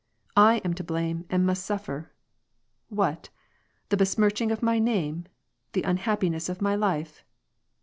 " I am to blame and iaust suffer. What ? The besmirching of my name ? the un happiness of my life